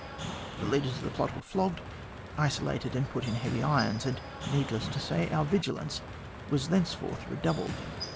The ringleaders of the plot were flogged, isolated, and put in heavy irons ; and, needless to say, our vigilance was thence forth redoubled.